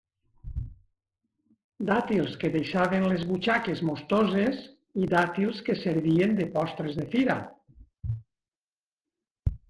Dàtils que deixaven les butxaques mostoses i dàtils que servien de postres de fira.